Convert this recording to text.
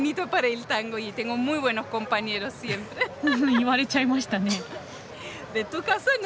言われちゃいましたね！